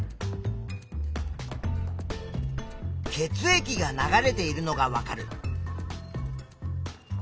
血液が流れているのがわかる。